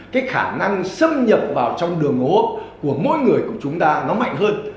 cái khả năng xâm nhập vào trong đường gố của mỗi người của chúng ta nó mạnh hơn